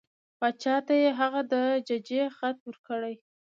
باچا ته یې هغه د ججې خط ورکړ.